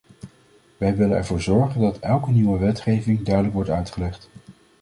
Wij willen ervoor zorgen dat elke nieuwe wetgeving duidelijk wordt uitgelegd.